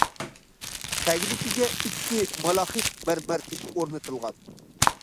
تەگلىكىگە ئىككى مالاخىت مەرمەر تېشى ئورنىتىلغان.